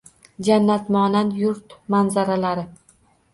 Jannatmonand yurt manzaralari